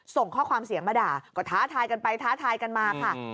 ส่งข้อความเสียงมาด่าก็ท้าทายกันไปท้าทายกันมาค่ะ